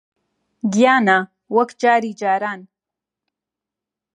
گیانە، وەک جاری جاران